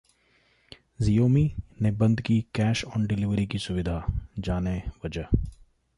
Xiaomi ने बंद की कैश ऑन डिलीवरी की सुविधा, जानें वजह